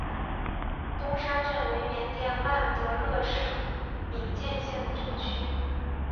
东沙镇为缅甸曼德勒省敏建县的镇区。